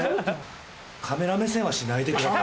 カメラ目線はしないでください。